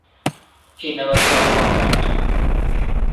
He never saw combat.